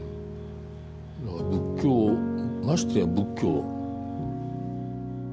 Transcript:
仏教ましてや仏教。